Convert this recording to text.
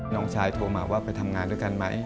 น้องชายโทรมาว่าไปทำงานด้วยกันไหม